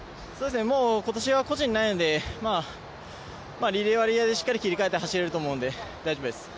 もう今年は個人ないので、リレーはリレーでしっかり切り替えて走れると思うので、大丈夫です。